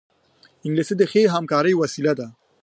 انګلیسي د ښې همکارۍ وسیله ده